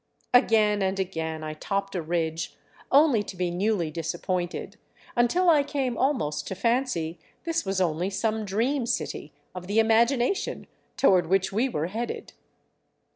Again and again I topped a ridge, only to be newly disappointed, until I came almost to fancy this was only some dream city of the imagination toward which we were headed.